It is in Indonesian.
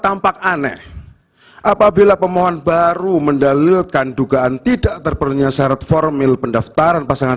tampak aneh apabila pemohon baru mendalilkan dugaan tidak terpenuhnya syarat formil pendaftaran pasangan